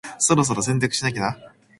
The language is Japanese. そろそろ洗濯しなきゃな。